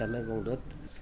hai trăm linh mét vùng đất